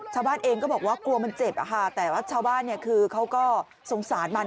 ชาวบ้านเองก็บอกว่ากลัวมันเจ็บแต่ว่าชาวบ้านคือเขาก็สงสารมัน